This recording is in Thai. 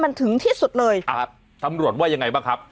มันถึงที่สุดเลยครับตำรวจว่ายังไงบ้างครับ